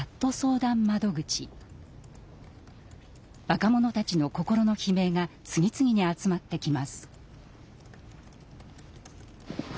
若者たちの心の悲鳴が次々に集まってきます。